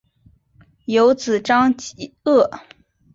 有子章碣。